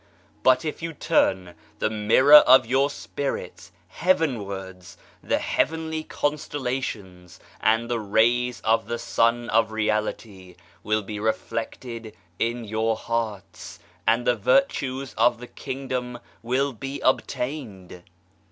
But if you turn the mirror of your spirits heavenwards, the heavenly constellations and the rays of the Sun of Reality will be reflected in your hearts, and the virtues of the Kingdom will be obtained.